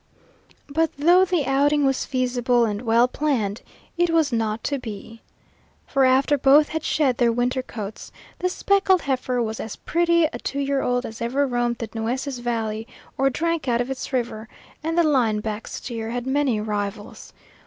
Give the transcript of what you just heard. But though the outing was feasible and well planned, it was not to be. For after both had shed their winter coats, the speckled heifer was as pretty a two year old as ever roamed the Nueces valley or drank out of its river, and the line back steer had many rivals.